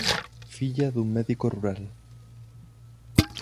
Filla dun médico rural.